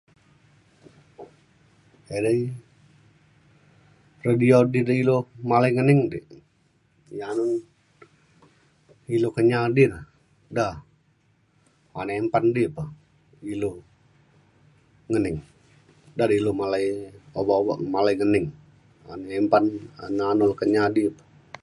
edai radio di da ilu malai ilu ngening dik anun ilu kenyah di ne da anun empan di pe ilu ngening. da da' ilu malai obak obak malai ngening anun empan, an anun le kenyah di pe.